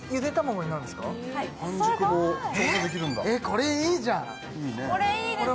これいいじゃん。